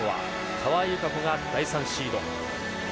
川井友香子が第３シード。